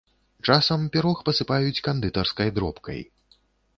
Часам пірог пасыпаюць кандытарскай дробкай.